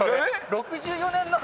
６４年の話。